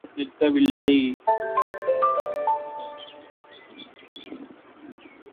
கற்றிருந்தால் பிறருக்குப் போதிப்பவைகளில் சிலவற்றையாவது தங்கள் செயலில் காட்டியிருப்பார்கள் அல்லவா வள்ளுவர் இம்மட்டோடு நிற்கவில்வை.